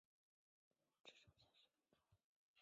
只剩下十分钟了